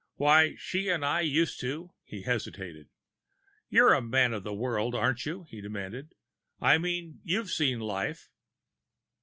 Why, she and I used to " He hesitated. "You're a man of the world, aren't you?" he demanded. "I mean you've seen life."